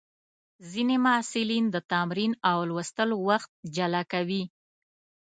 ځینې محصلین د تمرین او لوستلو وخت جلا کوي.